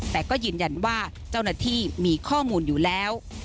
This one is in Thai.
แต่ก็ยืนยันว่าเจ้าหน้าที่มีข้อมูลอยู่แล้ว